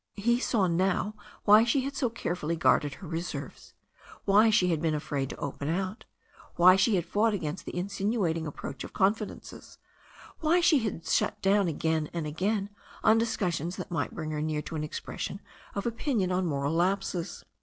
He saw now why she had so carefully guarded her re serves, why she had been afraid to open out, why she had fought against the insinuating approach of confidences, why she had shut down again and again on discussions that might bring her near to an expression of opinion on moral lapses.